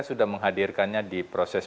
sudah menghadirkannya di proses